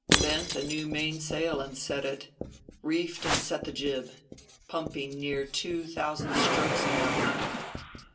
Bent a new mainsail and set it. Reefed and set the jib. Pumping near two thousand strokes an hour.